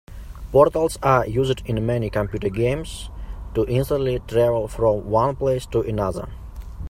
Portals are used in many computer games to instantly travel from one place to another.